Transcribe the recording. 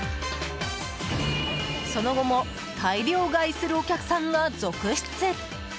その後も大量買いするお客さんが続出。